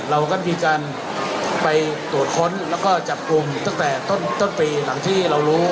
เราก็มีการไปตรวจค้นแล้วก็จับกลุ่มตั้งแต่ต้นปีหลังที่เรารู้